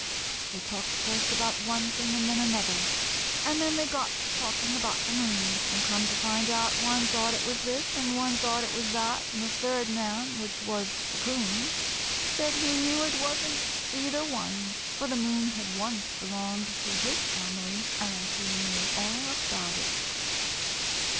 They talked first about one thing and then another, and then they got to talking about the moon, and come to find out one thought it was this, and one thought it was that, and the third man, which was the 'Coon, said he knew it wasn't either one, for the moon had once belonged to his family and he knew all about it.